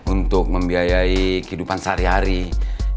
untuk membiayai kehidupan seharian